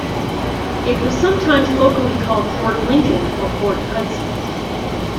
It was sometimes locally called Fort Lincoln or Fort Hudson.